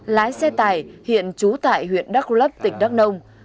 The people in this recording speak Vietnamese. lái xe tải hiện chú tại huyện đắc lấp tỉnh đắc nông